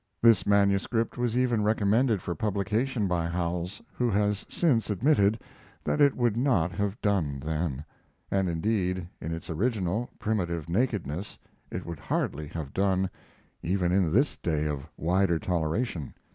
This manuscript was even recommended for publication by Howells, who has since admitted that it would not have done then; and indeed, in its original, primitive nakedness it would hardly have done even in this day of wider toleration.